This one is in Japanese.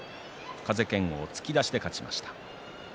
風賢央は突き出して勝ちました。